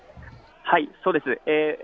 そうです。